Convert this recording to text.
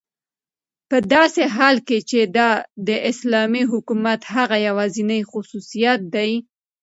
په داسي حال كې چې دا داسلامي حكومت هغه يوازينى خصوصيت دى